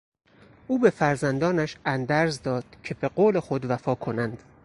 او به فرزندانش اندرز داد که به قول خود وفا کنند.